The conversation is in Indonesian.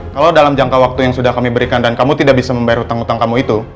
kalau dalam jangka waktu yang sudah kami berikan dan kamu tidak bisa membayar hutang hutang kamu itu